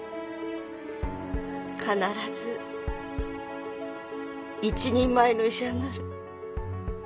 必ず一人前の医者になる